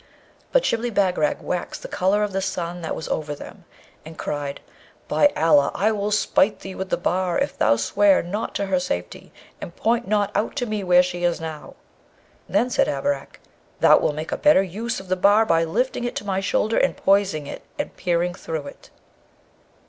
But Shibli Bagarag waxed the colour of the sun that was over them, and cried, 'By Allah! I will smite thee with the bar, if thou swear not to her safety, and point not out to me where she now is.' Then said Abarak, 'Thou wilt make a better use of the bar by lifting it to my shoulder, and poising it, and peering through it.'